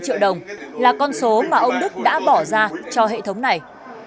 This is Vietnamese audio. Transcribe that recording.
ba mươi triệu đồng là con số mà ông đức đã bỏ ra cho hệ thống này